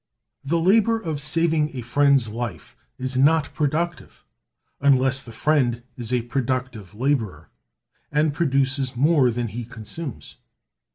The labor of saving a friend's life is not productive, unless the friend is a productive laborer, and produces more than he consumes.